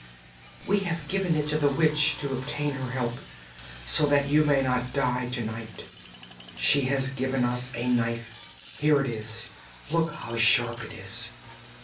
_] 'We have given it to the witch to obtain her help, so that you may not die to night! She has given us a knife; here it is, look how sharp it is!